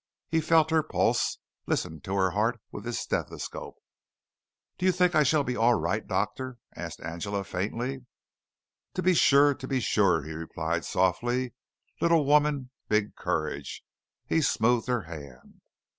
He felt her pulse, listened to her heart with his stethoscope. "Do you think I shall be all right, doctor?" asked Angela faintly. "To be sure, to be sure," he replied softly. "Little woman, big courage." He smoothed her hand.